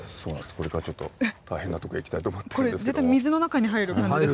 これからちょっと大変なとこへ行きたいと。